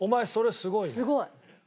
すごい。